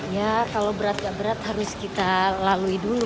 ya kalau berat nggak berat harus kita lalui dulu